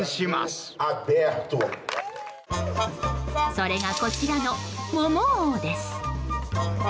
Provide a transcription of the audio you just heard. それが、こちらのモモ王です。